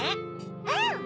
うん！